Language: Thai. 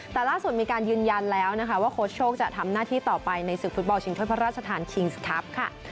แต่ล่าสุดมีการยืนยันแล้วนะคะว่าโค้ชโชคจะทำหน้าที่ต่อไปในศึกฟุตบอลชิงถ้วยพระราชทานคิงส์ครับ